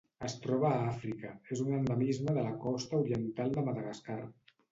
Es troba a Àfrica: és un endemisme de la costa oriental de Madagascar.